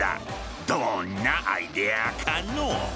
どんなアイデアかの？